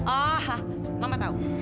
oh mama tahu